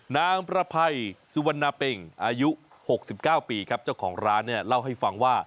นางประภัยสุวรรณาเป็งอายุ๖๙ปีครับเจ้าของร้านเนี่ยเล่าให้ฟังว่า